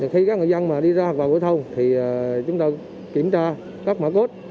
khi các người dân đi ra vào cửa thông chúng ta kiểm tra các mã code